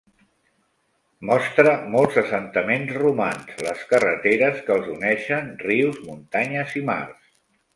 Mostra molts assentaments romans, les carreteres que els uneixen, rius, muntanyes i mars.